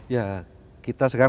ya kita sekarang